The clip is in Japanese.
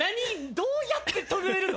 どうやって飛べるの？